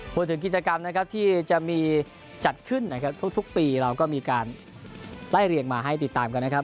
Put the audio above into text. กิจกรรมนะครับที่จะมีจัดขึ้นนะครับทุกปีเราก็มีการไล่เรียงมาให้ติดตามกันนะครับ